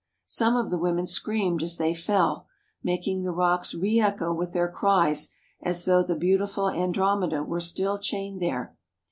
Some of the women screamed as they fell, making the rocks reecho with their cries as though the beautiful Andromeda were still chained there.